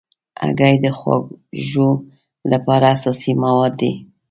هګۍ د خواږو لپاره اساسي مواد دي.